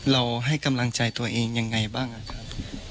เราให้กำลังใจตัวเองยังไงบ้างครับ